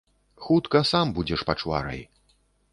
Хутка сам будзеш пачварай.